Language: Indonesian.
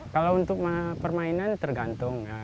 kalau untuk permainan tergantung